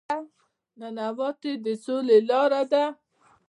نانواتې د سولې لاره ده